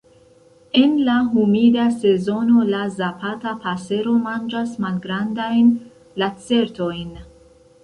En la humida sezono la Zapata pasero manĝas malgrandajn lacertojn.